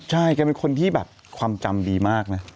ใช่แกเป็นคนที่แบบความจำดีมากนะ